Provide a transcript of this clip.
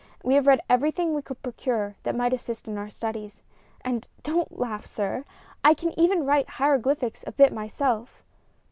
We have read everything we could procure that might assist us in our studies, and don't laugh, sir! I can even write hieroglyphics a bit myself."